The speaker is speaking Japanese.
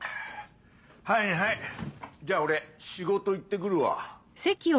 はいはいじゃあ俺仕事行ってくるわ。